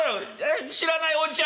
「知らないおじちゃん」。